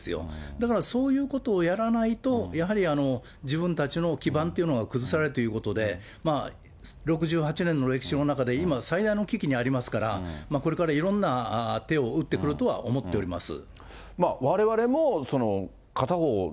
だからそういうことをやらないと、やはり自分たちの基盤というのが、崩されていくということで、６８年の歴史の中で今最大の危機にありますから、これからいろんな手を打ってくるとは思っております。